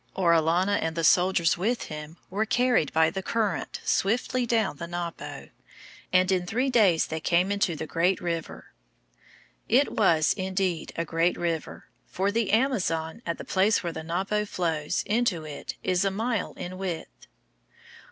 Orellana and the soldiers with him were carried by the current swiftly down the Napo, and in three days they came into the great river. It was indeed a great river, for the Amazon at the place where the Napo flows into it is a mile in width.